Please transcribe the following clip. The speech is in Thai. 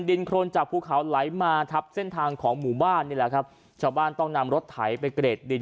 โครนจากภูเขาไหลมาทับเส้นทางของหมู่บ้านนี่แหละครับชาวบ้านต้องนำรถไถไปเกรดดิน